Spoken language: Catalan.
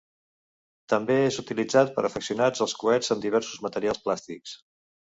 També és utilitzat per aficionats als coets amb diversos materials plàstics.